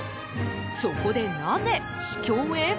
そこで、なぜ秘境へ？